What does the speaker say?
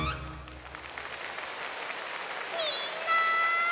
みんな！